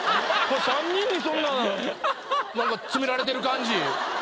三人にそんななんか詰められてる感じ。